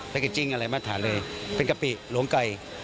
เกจจิ้งอะไรมาตรฐานเลยเป็นกะปิหลวงไก่